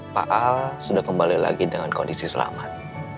pak al sudah kembali lagi dengan kondisi selamat